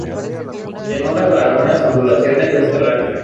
Llanura con algunas ondulaciones del terreno.